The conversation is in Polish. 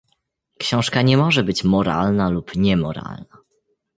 Książka nie może być moralna lub niemoralna.